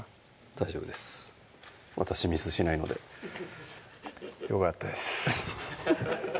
大丈夫です私ミスしないのでよかったです